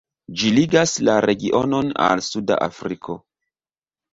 Ĝi ligas la regionon al suda Afriko.